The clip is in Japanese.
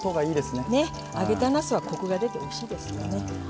揚げたなすはコクが出ておいしいですよね。